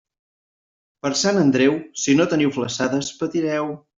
Per Sant Andreu, si no teniu flassades, patireu.